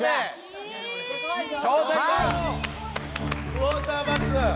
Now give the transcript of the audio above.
クオーターバック。